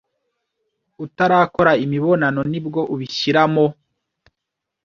utarakora imibonano nibwo ubishyiramo